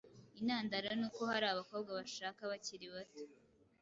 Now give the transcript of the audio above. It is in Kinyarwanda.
Intandaro ni uko hari abakobwa bashaka bakiri bato